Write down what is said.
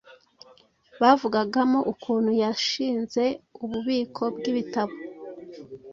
bavugagamo ukuntu yashinze ububiko bw'ibitabo